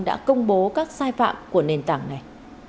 đã công bố các sai phạm của nền tảng này